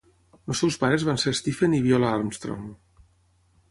Els seus pares van ser Stephen i Viola Armstrong.